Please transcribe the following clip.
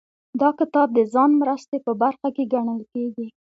دا کتاب د ځان مرستې په برخه کې ګڼل کیږي.